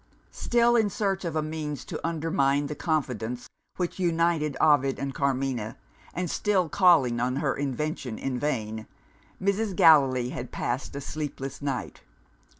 Still in search of a means to undermine the confidence which united Ovid and Carmina, and still calling on her invention in vain, Mrs. Gallilee had passed a sleepless night.